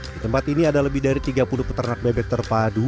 di tempat ini ada lebih dari tiga puluh peternak bebek terpadu